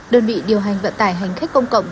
đơn vị điều hành vận tải hành khách công cộng